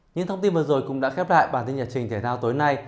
những thông tin vừa rồi cũng đã khép lại bản tin nhật trình thể thao tối nay